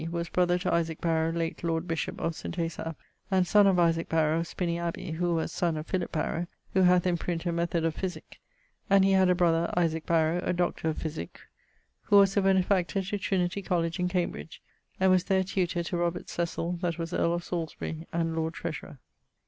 was brother to Isaac Barrow late lord bishop of St. Asaph, and sonne of Isaac Barrow of Spiney Abbey, who was sonne of Philip Barrow, who hath in print a method of Physick, and he had a brother Isaac Barrow, a Dr. of Physick, who was a benefactor to Trinity Colledge in Cambridge, and was there tutor to Robert Cecill that was earle of Salisbury and Lord Treasurer.